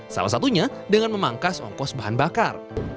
salah satunya dengan memangkas ongkos bahan bakar